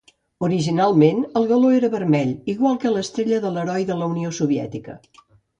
Originalment, el galó era vermell, igual que l'Estrella d'Heroi de la Unió Soviètica.